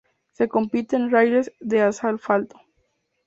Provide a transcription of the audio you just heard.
Se compite en rallyes de asfalto.